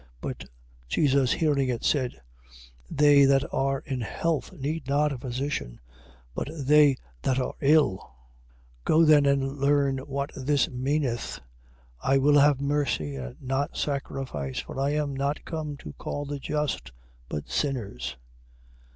9:12. But Jesus hearing it, said: They that are in health need not a physician, but they that are ill. 9:13. Go then and learn what this meaneth, I will have mercy and not sacrifice. For I am not come to call the just, but sinners.